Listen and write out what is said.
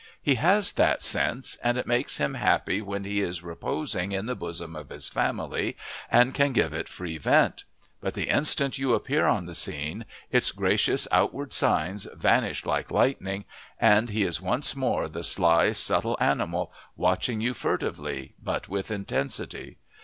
He has that sense, and it makes him happy when he is reposing in the bosom of his family and can give it free vent; but the instant you appear on the scene its gracious outward signs vanish like lightning and he is once more the sly, subtle animal, watching you furtively, but with intensity.